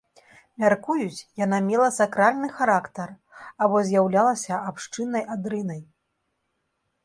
Мяркуюць, яна мела сакральны характар або з'яўлялася абшчыннай адрынай.